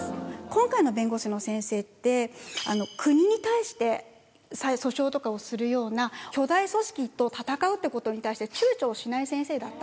今回の弁護士の先生って国に対して訴訟とかをするような巨大組織と戦うってことに対して躊躇をしない先生だった。